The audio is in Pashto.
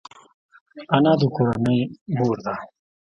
انا د کورنۍ مور ده